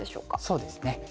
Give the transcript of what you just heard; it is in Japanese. そうですね。